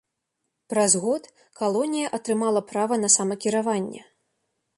Праз год калонія атрымала права на самакіраванне.